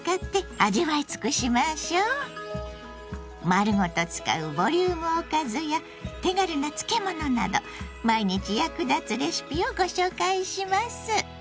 丸ごと使うボリュームおかずや手軽な漬物など毎日役立つレシピをご紹介します！